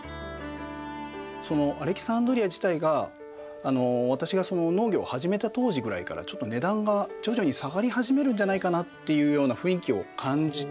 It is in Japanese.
アレキサンドリア自体が私が農業を始めた当時ぐらいからちょっと値段が徐々に下がり始めるんじゃないかなっていうような雰囲気を感じて。